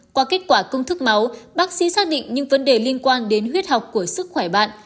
qua kết quả công thức máu bác sĩ xác định những vấn đề liên quan đến huyết học của sức khỏe bạn